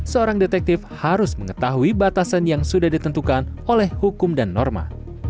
seorang detektif harus mengetahui batasan yang sudah ditentukan oleh hukum dan norma